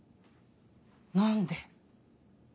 何で？